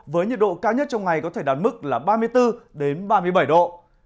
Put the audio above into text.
với nhiệt độ cao nhất trong ngày có thể đạt mức là ba mươi bốn ba mươi bảy độ